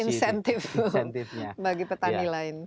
insentif bagi petani lain